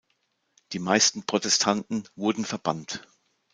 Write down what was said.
Die meisten Protestanten wurden verbannt.